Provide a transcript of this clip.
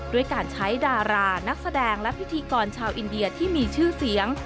ด้วยการใช้ดารานักแสดงและพิธีกรชาวอินเดียที่มีชื่อเสียง